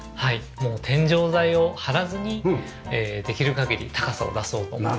もう天井材を張らずにできる限り高さを出そうと思って。